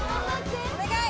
お願い！